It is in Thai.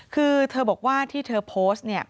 คือเธอบอกว่าที่เธอโพสต์เนี่ย